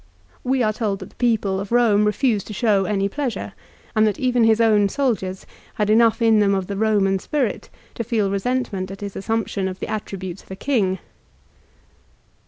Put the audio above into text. We are told that the people of Eome refused to show any pleasure, and that even his own soldiers had enough in them of the Eoinan spirit to feel resentment at his assumption of the attributes of a king.